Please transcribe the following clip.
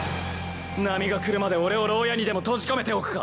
波が来るまで俺を牢屋にでも閉じ込めておくか？